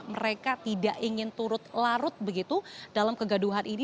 mereka tidak ingin turut larut begitu dalam kegaduhan ini